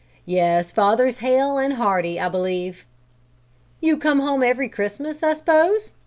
Yes, father's hale and hearty, I believe." "You come home every Christmas, I s'pose?"